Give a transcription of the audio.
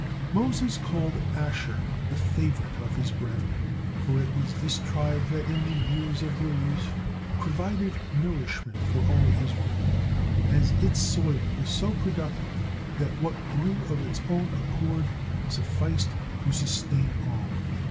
'" Moses called Asher the favorite of his brethren, for it was this tribe that in the years of release provided nourishment for all Israel, as its soil was so productive that what grew of its own accord sufficed to sustain all.